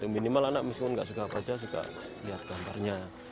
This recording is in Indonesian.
minimal anak miskin gak suka baca suka lihat gambarnya